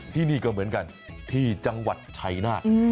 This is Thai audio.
ที่นี่ก็เหมือนกันที่จังหวัดชัยนาธ